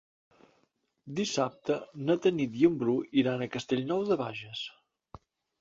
Dissabte na Tanit i en Bru iran a Castellnou de Bages.